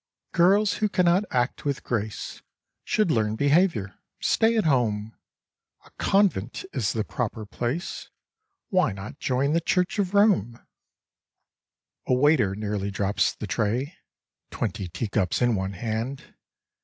Girls who cannot act with grace Should learn behaviour ; stay at home ; A convent is the proper place. Why not join the Church of Rome? 20 De Luxe. A waiter nearly drops the tray — Twenty tea cups in one hand.